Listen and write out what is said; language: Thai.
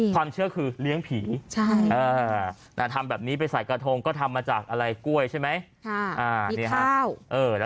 ความเชื่อคือเลี้ยงผีทำแบบนี้ไปใส่กระทงก็ทำมาจากอะไรกล้วยใช่ไหม